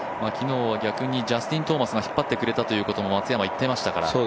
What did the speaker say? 昨日は逆にジャスティン・トーマスが引っ張ってくれたということも松山、言っていましたから。